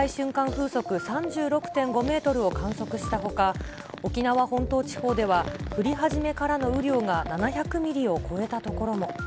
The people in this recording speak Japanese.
風速３６．５メートルを観測したほか、沖縄本島地方では降り始めからの雨量が７００ミリを超えた所も。